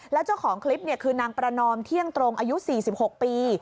แล้วเจ้าของคลิปคือนางประนอมเที่ยงตรงอายุ๔๖ปี